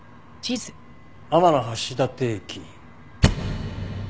天橋立駅。